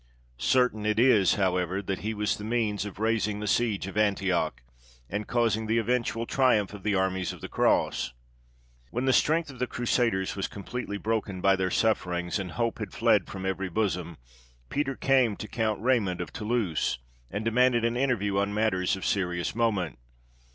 Certain it is, however, that he was the means of raising the siege of Antioch, and causing the eventual triumph of the armies of the cross. When the strength of the Crusaders was completely broken by their sufferings, and hope had fled from every bosom, Peter came to Count Raymond of Toulouse, and demanded an interview on matters of serious moment.